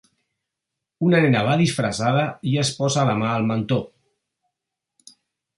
Una nena va disfressada i es posa la mà al mentó.